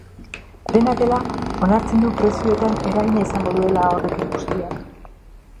Dena dela, onartzen du prezioetan eragina izango duela horrek guztiak.